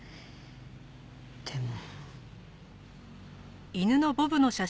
でも。